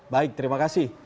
baik terima kasih